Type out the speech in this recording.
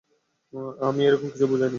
আমি এরকম কিছু বুঝাই নি।